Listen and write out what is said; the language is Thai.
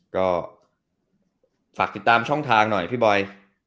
ก็ฝากติดตามช่องทางหน่อยพี่บอย